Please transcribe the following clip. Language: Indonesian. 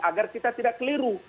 agar kita tidak keliru